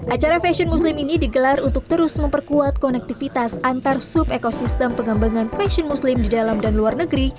acara fashion muslim ini digelar untuk terus memperkuat konektivitas antar sub ekosistem pengembangan fashion muslim di dalam dan luar negeri